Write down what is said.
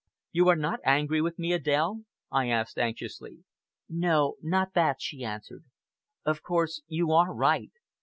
"You are not angry with me, Adèle?" I asked anxiously. "No! not that," she answered. "Of course, you are right.